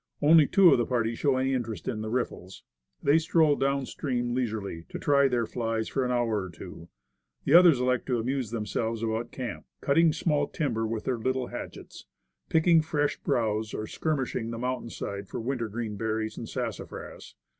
Only two of the party show any interest in the riffles. They stroll down stream leisurely, to try their flies for an hour or two. The others elect to amuse them selves about camp, cutting small timber with their little hatchets, picking fresh browse, or skirmishing the mountain side for wintergreen berries and sassa fras.